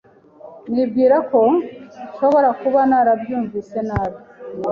Nibwira ko nshobora kuba narabyumvise nabi.